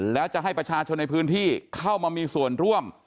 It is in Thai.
แล้วจะให้ประชาชนในพื้นที่เข้ามามีส่วนร่วม